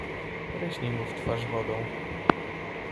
"Pryśnij mu w twarz wodą."